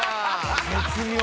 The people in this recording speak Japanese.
絶妙！